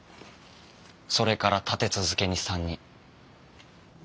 それから立て続けに３人。